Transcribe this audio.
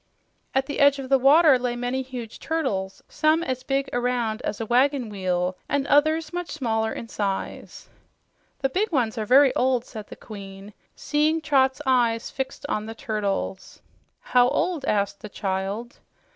At the edge of the water lay many huge turtles, some as big around as a wagon wheel and others much smaller in size. "The big ones are very old," said the Queen, seeing Trot's eyes fixed on the turtles. "How old?" asked the child.